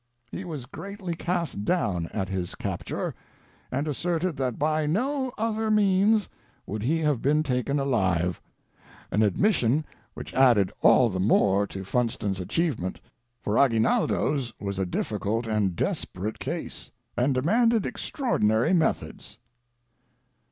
He waa greatly cast down at his capture, and as serted that by no other means would he have been taken alive, — an admis A DEFENCE OF GENERAL FUNSTON. 619 sion which added all the more to Funston's achievement, for Aguinaldo's was a difficult and desperate case, and demanded extraordinary methods."